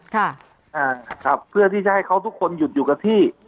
ค่ะอ่าครับเพื่อที่จะให้เขาทุกคนหยุดอยู่กับที่